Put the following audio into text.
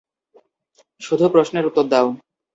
শুধু প্রশ্নের উওর দাও।